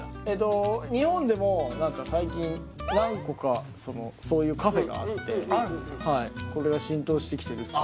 えーと日本でも何か最近何個かそういうカフェがあってこれが浸透してきてる